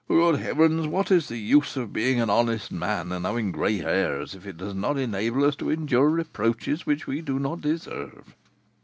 Good Heaven! what's the use of being an honest man, and having gray hairs, if it does not enable us to endure reproaches which we do not deserve?"